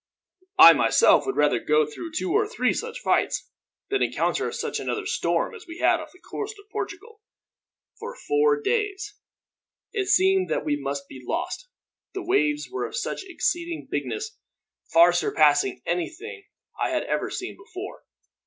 "I myself would rather go through two or three such fights, than encounter such another storm as we had off the coast of Portugal, for four days. It seemed that we must be lost, the waves were of such exceeding bigness far surpassing anything I had ever seen before.